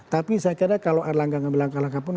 tapi saya kira kalau erlangga gak berlangkah langkah pun